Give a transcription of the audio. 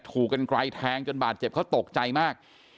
ถูกกันไกลแทงจนบาดเจ็บเขาตกใจมาก